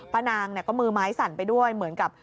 นางก็มือไม้สั่นไปด้วยเหมือนกับ